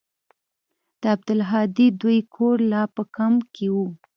د عبدالهادي دوى کور لا په کمپ کښې و.